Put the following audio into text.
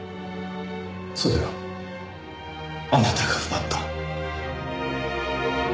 それをあなたが奪った。